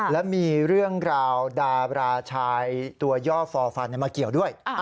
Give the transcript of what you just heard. และมีเรื่องราวดาราชายตัวย่อฟอร์ฟันมาเกี่ยวด้วย